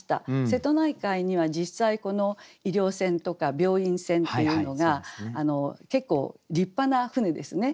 瀬戸内海には実際この医療船とか病院船っていうのが結構立派な船ですね。